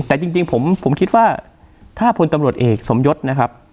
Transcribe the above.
แต่จริงผมคิดว่าถ้าพลตำรวจเอกสมยศนะครับ